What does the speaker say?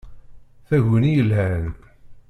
Taguni yelhan!